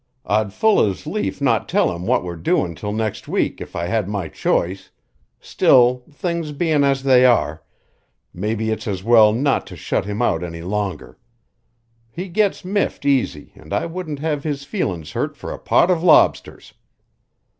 I'd full as lief not tell him what we're doin' 'til next week if I had my choice; still, things bein' as they are, mebbe it's as well not to shut him out any longer. He gets miffed easy an' I wouldn't have his feelin's hurt fur a pot of lobsters."